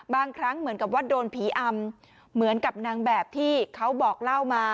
บางครั้งเหมือนกับว่าโดนผีอำเหมือนกับนางแบบที่เขาบอกเล่ามา